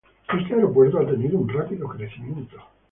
Este aeropuerto ha tenido un rápido crecimiento.